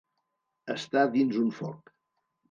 Estar dins un foc.